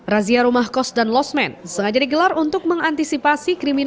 razia rumah kos dan losmen sengaja digelar untuk mengantisipasi praktek prostitusi terselubung